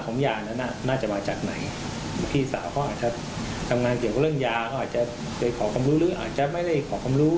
เขาอาจจะเคยขอคำรู้หรืออาจจะไม่ได้ขอคำรู้